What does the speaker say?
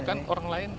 kan orang lain